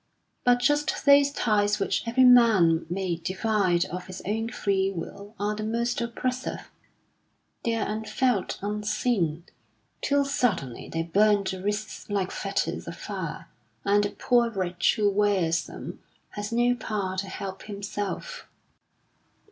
But just those ties which every man may divide of his own free will are the most oppressive; they are unfelt, unseen, till suddenly they burn the wrists like fetters of fire, and the poor wretch who wears them has no power to help himself.